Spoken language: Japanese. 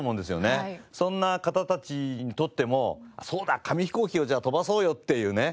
そんな方たちにとってもそうだ紙ヒコーキをじゃあ飛ばそうよっていうね。